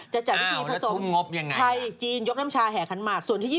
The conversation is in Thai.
จะจัดวิธีผสมไทยจีนยกน้ำชาแห่ขนมักจะทุ่มงบอย่างไร